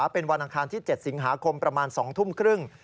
เป็นวันอังคารที่๗สิงหาคมประมาณ๒ทุ่มครึ่ง